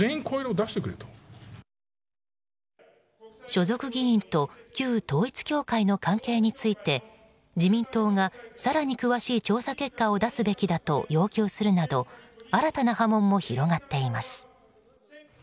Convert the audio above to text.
所属議員と旧統一教会の関係について自民党が更に詳しい調査結果を出すべきだと要求するなど新たな波紋も広がっています。